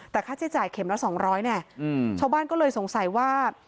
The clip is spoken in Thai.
แต่ค่าใช้จ่ายเข็มละ๒๐๐เนี่ยชาวบ้านก็เลยสงสัยว่า